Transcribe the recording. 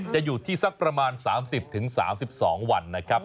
จะอยู่ที่สักประมาณ๓๐๓๒วันนะครับ